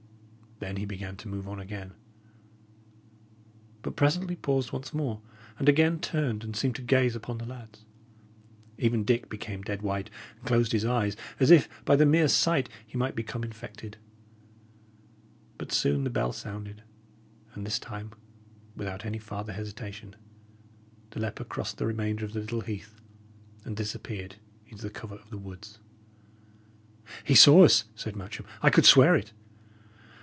Then he began to move on again, but presently paused once more, and again turned and seemed to gaze upon the lads. Even Dick became dead white and closed his eyes, as if by the mere sight he might become infected. But soon the bell sounded, and this time, without any farther hesitation, the leper crossed the remainder of the little heath and disappeared into the covert of the woods. "He saw us," said Matcham. "I could swear it!"